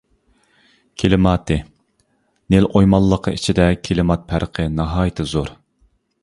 كىلىماتى نىل ئويمانلىقى ئىچىدە كىلىمات پەرقى ناھايىتى زور.